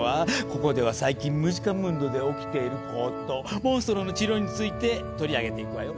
ここでは最近ムジカムンドで起きていることモンストロの治療について取り上げていくわよ。